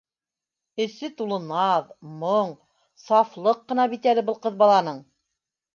Эсе тулы наҙ, моң, сафлыҡ ҡына бит әле был ҡыҙ баланың